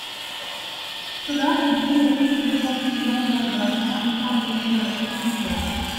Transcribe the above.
Cela réduit les risques de confusion lors de la transmission de messages critiques.